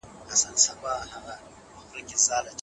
بنسټیزه څېړنه د علم د اصلي پالیسیو په رڼا کي ده.